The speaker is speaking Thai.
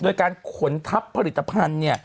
โดยการขนทัพผลิตภัณฑ์